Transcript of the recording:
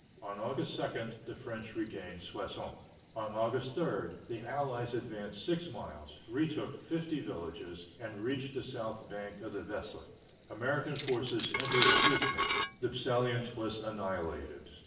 On August 2 the French regained Soissons. On August 3 the Allies advanced six miles, retook fifty villages, and reached the south bank of the Vesle. American forces entered Fismes. The salient was annihilated.